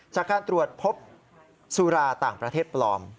จากการตรวจพบสุราต่างประเทศปลอม